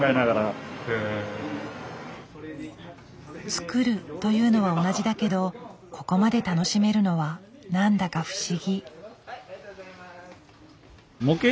「作る」というのは同じだけどここまで楽しめるのは何だか不思議。